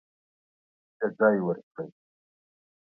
سپي ته ځای ورکړئ.